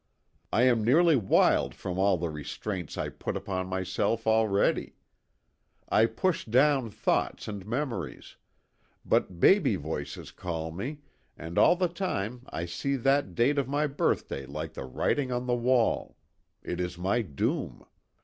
" I am nearly wild from all the restraints I put upon myself already. I push down thoughts and memories but baby voices call me and all the time I see that date of my birthday like the writing on the wall it is my doom.